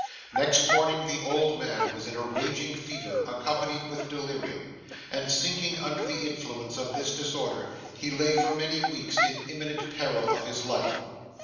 Next morning, the old man was in a raging fever accompanied with delirium; and sinking under the influence of this disorder he lay for many weeks in imminent peril of his life.